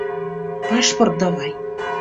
Пашпорт давай!..